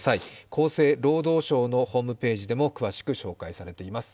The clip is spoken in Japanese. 厚生労働省のホームページでも詳しく紹介されています。